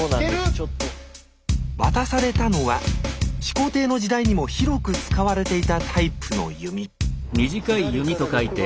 渡されたのは始皇帝の時代にも広く使われていたタイプの弓左から６番目。